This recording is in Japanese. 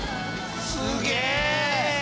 すげえ！